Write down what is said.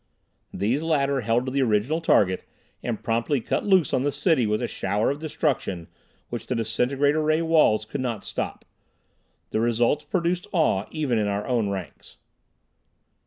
These latter held to the original target and promptly cut loose on the city with a shower of destruction which the disintegrator ray walls could not stop. The results produced awe even in our own ranks.